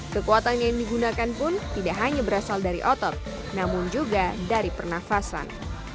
kekuatan yang digunakan pun tidak hanya berasal dari otot namun juga dari pernafasan